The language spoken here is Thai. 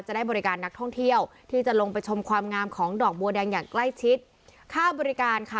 ได้บริการนักท่องเที่ยวที่จะลงไปชมความงามของดอกบัวแดงอย่างใกล้ชิดค่าบริการค่ะ